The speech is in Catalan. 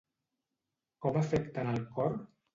Com afecten el cor?